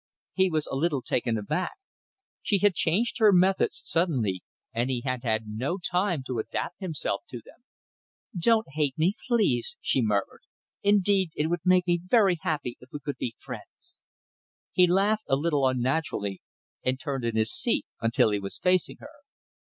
He was a little taken aback. She had changed her methods suddenly, and he had had no time to adapt himself to them. "Don't hate me, please," she murmured. "Indeed, it would make me very happy if we could be friends." He laughed a little unnaturally, and turned in his seat until he was facing her.